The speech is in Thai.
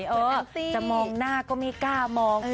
เหมือนเป็นอันตี้จะมองหน้าก็มีก้ามอง